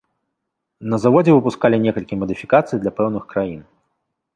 На заводзе выпускалі некалькі мадыфікацый для пэўных краін.